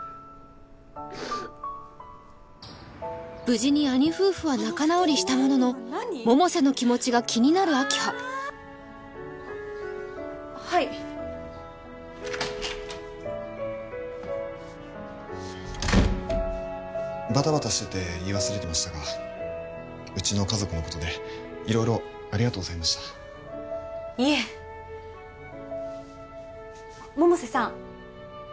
無事に兄夫婦は仲直りしたものの百瀬の気持ちが気になる明葉はいバタバタしてて言い忘れてましたがうちの家族のことで色々ありがとうございましたいえ百瀬さん